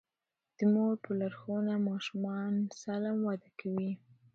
د مور په لارښوونه ماشومان سالم وده کوي.